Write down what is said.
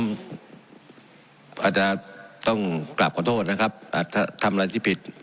อาจจะต้องกราบขอโทษนะครับอาจจะทำอะไรที่ผิด